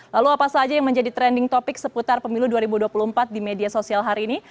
lalu apa saja yang menjadi trending topic seputar pemilu dua ribu dua puluh empat di media sosial hari ini